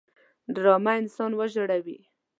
ډرامه انسان وژاړي